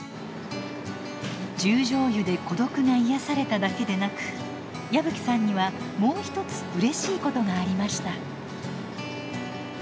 十條湯で孤独が癒やされただけでなく矢吹さんにはもう一つうれしいことがありました。